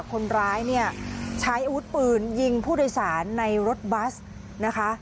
คนร้ายเนี่ยใช้อาวุธปืนยิงผู้โดยสารในรถบัสนะคะ